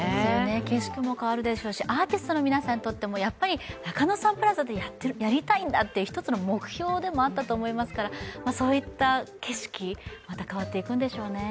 景色も変わるでしょうし、アーティストの皆さんにとっても中野サンプラザでやりたいんだという一つの目標でもあったと思いますからそういった景色、また変わっていくんでしょうね。